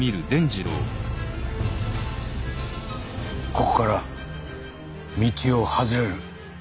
ここから道を外れる。